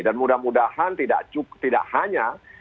dan mudah mudahan tidak hanya